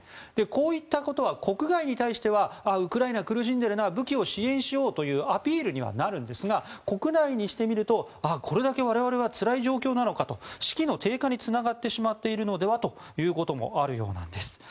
こういったことは国外に対してはあ、ウクライナ苦しんでいるな武器を支援しようというアピールにはなるんですが国内にしてみるとこれだけ我々がつらい状況なのかと士気の低下につながってしまっているのではということもあるようです。